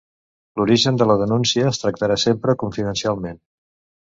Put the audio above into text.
L'origen de la denúncia es tractarà sempre confidencialment.